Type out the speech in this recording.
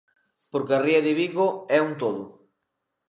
Porque a ría de Vigo é un todo.